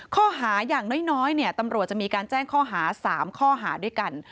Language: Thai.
ข้อหาอย่างน้อยตำรวจจะมีการแจ้งข้อหา๓ข้อหาด้วยกัน